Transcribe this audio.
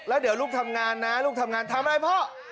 แล้วเดี๋ยวลูกทำงานนะทำอะไรพ่อ